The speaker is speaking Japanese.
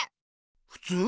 ふつう？